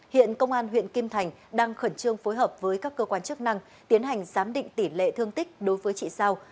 hiện công an huyện kim thành đang khẩn trương phối hợp với các cơ quan chức năng tiến hành giám định tỷ lệ thương tích đối với chị sao